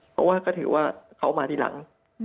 เพราะว่าก็ถือว่าเขามาทีหลัง